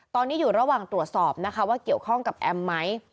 ตอนนี้อยู่ระหว่างตรวจสอบนะคะว่าเกี่ยวข้องกับแอมไหม